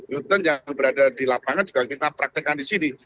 rutin yang berada di lapangan juga kita praktekkan di sini